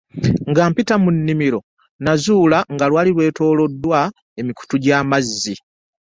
Nga mpita mu nnimiro nnazuula nga lwali lwetooloddwa emikutu gy'amazzi.